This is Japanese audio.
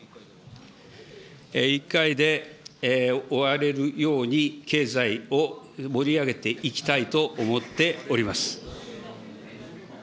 １回で終われるように、経済を盛り上げていきたいと思っております。